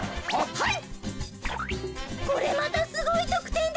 はい。